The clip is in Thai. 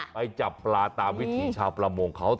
ไปจับปลาตามวิถีชาวประมงเขา